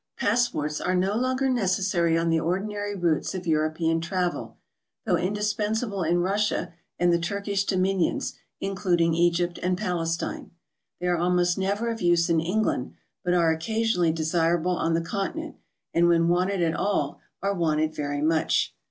Passports are no longer necessary on the ordinary routes of European travel, though indispensable in Russia and the Turkish dominions, including Egypt and Palestine. They are almost never of use in England, but are occasionally de sirable on the Continent, and when wanted at all, are wanted very much.